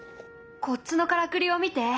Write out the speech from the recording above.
こっちのからくりを見て。